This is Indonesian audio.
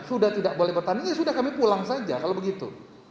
sudah tidak boleh bertanding ya sudah kami pulang saja kalau begitu